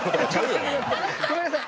ごめんなさい。